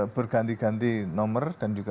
berganti ganti nomor dan juga